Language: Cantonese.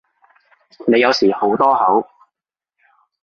你有時好多口